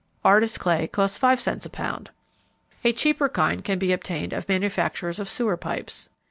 Artists' clay costs five cents a pound. A cheaper kind can be obtained of manufacturers of sewer pipes.